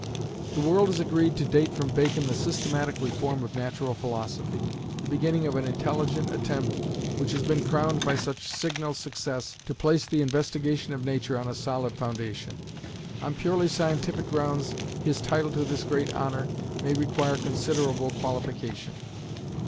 The world has agreed to date from Bacon the systematic reform of natural philosophy, the beginning of an intelligent attempt, which has been crowned by such signal success, to place the investigation of nature on a solid foundation. On purely scientific grounds his title to this great honour may require considerable qualification.